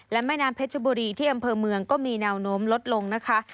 และแม่น้ำเพชรบุรีที่อำเภอเมืองก็มีแนวโน้มลดลงนะคะ